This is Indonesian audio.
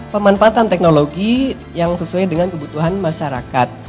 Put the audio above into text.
pemanfaatan teknologi yang sesuai dengan kebutuhan masyarakat